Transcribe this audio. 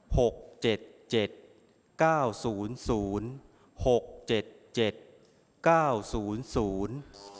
หกเจ็ดเจ็ดเก้าสูนสูนหกเจ็ดเจ็ดเก้าสูนสูน